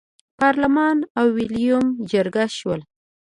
پارلمان او ویلیم جرګه شول.